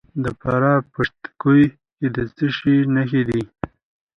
د فراه په پشت کوه کې د څه شي نښې دي؟